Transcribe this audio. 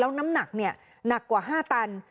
น้ำหนักหนักกว่า๕ตัน